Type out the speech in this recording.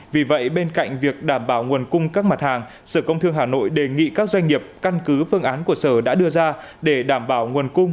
vì vậy bên cạnh việc đảm bảo nguồn cung các mặt hàng sở công thương hà nội đề nghị các doanh nghiệp căn cứ phương án của sở đã đưa ra để đảm bảo nguồn cung